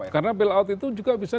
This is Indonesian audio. karena bil out itu juga bisa